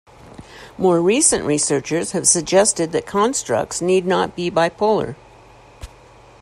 More recent researchers have suggested that constructs need not be bipolar.